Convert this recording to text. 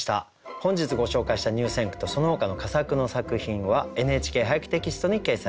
本日ご紹介した入選句とそのほかの佳作の作品は「ＮＨＫ俳句」テキストに掲載されます。